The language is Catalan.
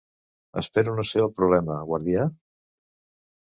Espero no ser el problema, guardià?